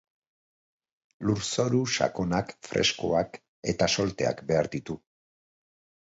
Lurzoru sakonak, freskoak eta solteak behar ditu.